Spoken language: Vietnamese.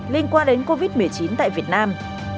liên quan đến covid một mươi chín tại việt nam